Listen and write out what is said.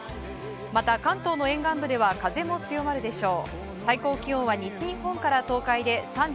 また、関東の沿岸部では風も強まるでしょう。